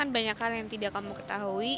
banyak hal yang tidak kamu ketahui